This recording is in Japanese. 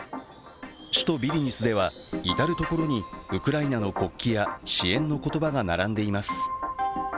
首都ビリニュスでは至る所にウクライナの国旗や支援の言葉が並んでいます。